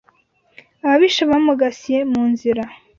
Ababisha bamugasiye mu nzira